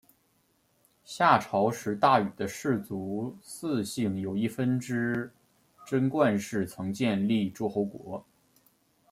夏朝时大禹的氏族姒姓有一分支斟灌氏曾建立诸侯国。